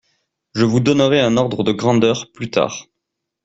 je vous donnerai un ordre de grandeur plus tard,